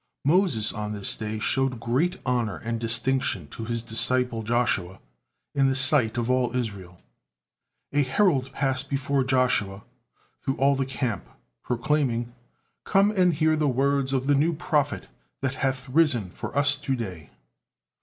Moses on this day showed great honor and distinction to his disciple Joshua in the sight of all Israel. A herald passed before Joshua through all the camp, proclaiming, "Come and hear the words of the new prophet that hath arisen for us to day!"